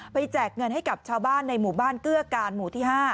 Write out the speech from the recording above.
แจกเงินให้กับชาวบ้านในหมู่บ้านเกื้อการหมู่ที่๕